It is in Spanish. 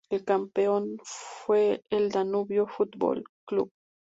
El campeón fue el Danubio Fútbol Club.